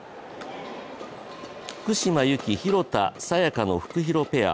福島由紀・廣田彩花のフクヒロペア。